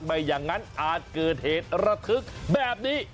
ไม่อย่างนั้นอาจเกิดเหตุระทึกแบบนี้